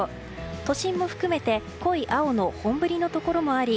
都心も含めて濃い青色の本降りのところもあり